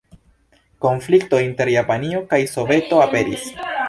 Konflikto inter Japanio kaj Soveto aperis.